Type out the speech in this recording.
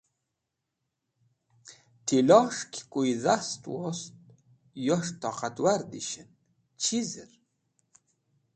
Tilos̃h ki kuyẽ dhast wost yos̃h toqatwar dishẽn. Chizẽr?